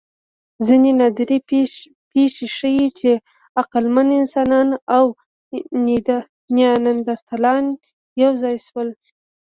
ځینې نادرې پېښې ښيي، چې عقلمن انسانان او نیاندرتالان یو ځای شول.